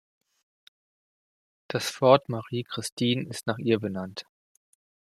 Das Fort Marie-Christine ist nach ihr benannt.